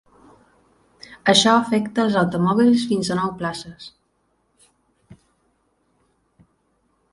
Això afecta els automòbils fins a nou places.